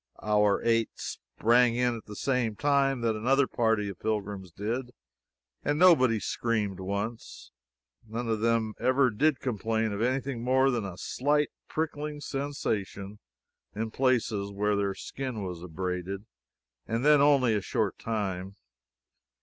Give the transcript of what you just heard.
Our eight sprang in at the same time that another party of pilgrims did, and nobody screamed once. None of them ever did complain of any thing more than a slight pricking sensation in places where their skin was abraded, and then only for a short time.